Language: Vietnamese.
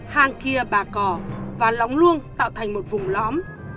hàng kia bà cò và lóng luông tạo thành một vùng lõm